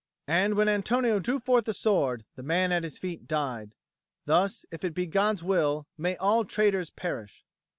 And when Antonio drew forth the sword, the man at his feet died. Thus, if it be God's will, may all traitors perish.